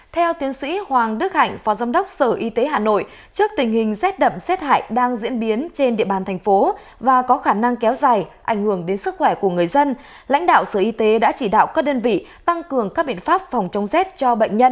theo tiến sĩ hoàng đức hạnh phó giám đốc sở y tế hà nội trước tình hình rét đậm rét hại đang diễn biến trên địa bàn thành phố và có khả năng kéo dài ảnh hưởng đến sức khỏe của người dân lãnh đạo sở y tế đã chỉ đạo các đơn vị tăng cường các biện pháp phòng chống rét cho bệnh nhân